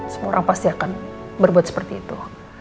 semua orang pasti akan berbuat seperti itu